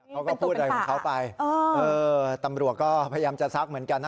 เขาก็พูดอะไรของเขาไปตำรวจก็พยายามจะซักเหมือนกันนะ